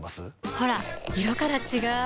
ほら色から違う！